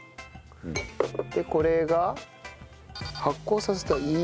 でこれが発酵させたイースト。